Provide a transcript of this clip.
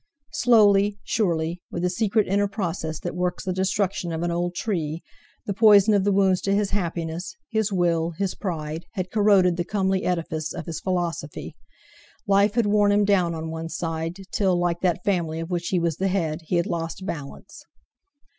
Slowly, surely, with the secret inner process that works the destruction of an old tree, the poison of the wounds to his happiness, his will, his pride, had corroded the comely edifice of his philosophy. Life had worn him down on one side, till, like that family of which he was the head, he had lost balance.